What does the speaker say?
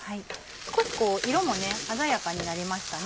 少し色も鮮やかになりましたね。